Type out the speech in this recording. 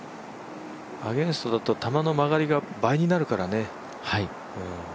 アゲンストだと球の曲がりが倍になるからね。